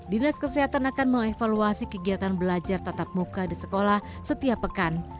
dinas kesehatan akan mengevaluasi kegiatan belajar tatap muka di sekolah setiap pekan